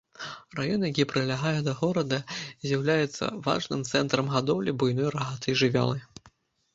Раён, які прылягае да горада, з'яўляецца важным цэнтрам гадоўлі буйной рагатай жывёлы.